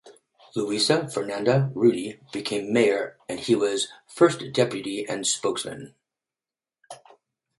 Luisa Fernanda Rudi became mayor and he was first deputy and spokesman.